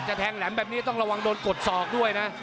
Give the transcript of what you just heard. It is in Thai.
แทงแหลมแบบนี้ต้องระวังโดนกดศอกด้วยนะ